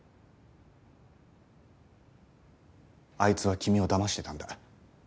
あいつは君をだましてたんだ。